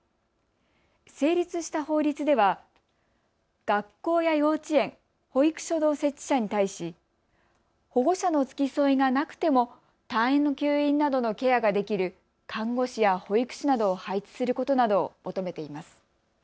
成立した法律では学校や幼稚園、保育所の設置者に対し保護者の付き添いがなくてもたんの吸引などのケアができる看護師や保育士などを配置することなどを求めています。